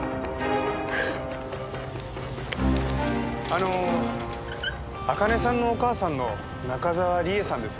あの茜さんのお母さんの中沢理恵さんですよね？